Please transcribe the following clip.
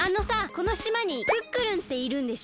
このしまにクックルンっているんでしょ？